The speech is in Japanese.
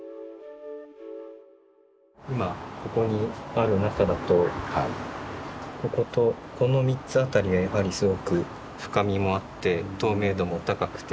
今ここにある中だとこの３つあたりがやはりすごく深みもあって透明度も高くてとてもいい色合い。